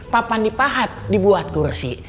papan dipahat dibuat kursi